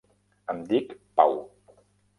Em dic Pau.